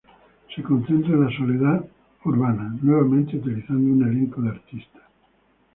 Se concentra en la soledad urbana, nuevamente utilizando un elenco de artistas.